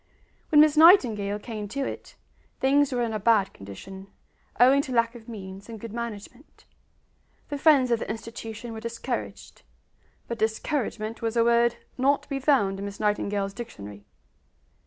When Miss Nightingale came to it, things were in a bad condition, owing to lack of means and good management. The friends of the institution were discouraged; but discouragement, was a word not to be found in Miss Nightingale's dictionary.